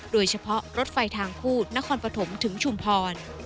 โดยเฉพาะรถไฟทางพูดนครปฐมถึงชุมพร